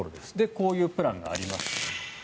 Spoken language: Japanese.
こういうプランがあります。